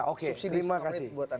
oke terima kasih